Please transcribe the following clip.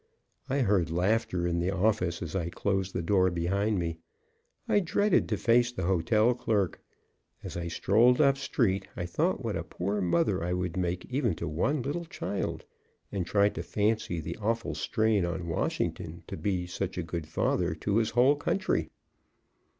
I heard laughter in the office as I closed the door behind me. I dreaded to face the hotel clerk. As I strolled up street, I thought what a poor mother I would make even to one little child, and tried to fancy the awful strain on Washington to be such a good father to his whole country.